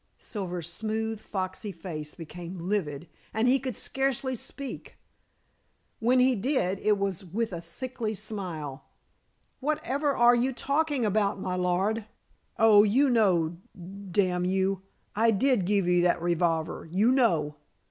Silver's smooth, foxy face became livid, and he could scarcely speak. When he did, it was with a sickly smile. "Whatever are you talking about, my lord?" "Oh, you know, d you! I did give you that revolver, you know."